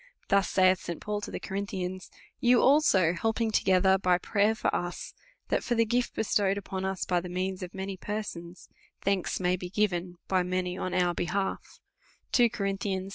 Thus, saith St. Paul to the Co rinthians, You also helping together by prayer for US, that for the gift bestowed upon ns by the means of many persons, thanks may be given by many on our behalf, 2 Cowl 11.